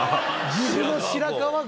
岐阜の白川郷？